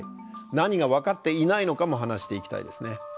何が分かっていないのかも話していきたいですね。